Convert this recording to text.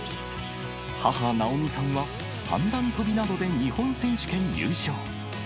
母、直美さんは三段跳びなどで日本選手権優勝。